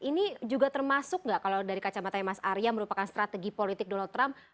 ini juga termasuk nggak kalau dari kacamatanya mas arya merupakan strategi politik donald trump